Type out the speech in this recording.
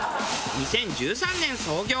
２０１３年創業。